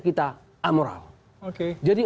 kita amoral jadi